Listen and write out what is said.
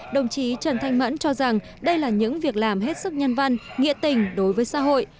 đồng chí trần thanh mẫn cho rằng đây là những việc làm hết sức nhân văn nghĩa tình đối với xã hội